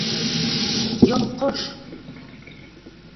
Йолҡош!